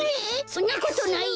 そんなことないよ！